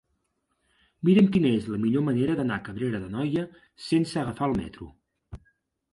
Mira'm quina és la millor manera d'anar a Cabrera d'Anoia sense agafar el metro.